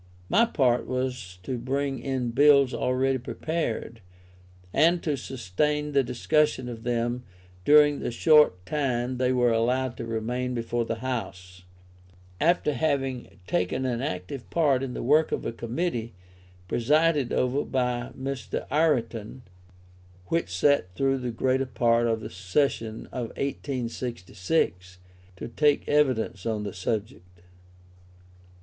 My part was to bring in Bills already prepared, and to sustain the discussion of them during the short time they were allowed to remain before the House; after having taken an active part in the work of a Committee presided over by Mr. Ayrton, which sat through the greater part of the Session of 1866, to take evidence on the subject.